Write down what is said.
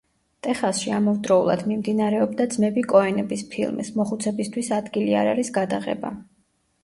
ტეხასში ამავდროულად მიმდინარეობდა ძმები კოენების ფილმის „მოხუცებისთვის ადგილი არ არის“ გადაღება.